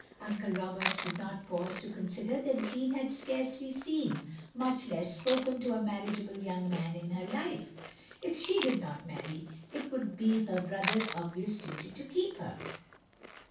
Uncle Roberts did not pause to consider that Jeanne had scarcely seen, much less spoken to a marriageable young man in her life. If she did not marry, it would be her brother's obvious duty to keep her.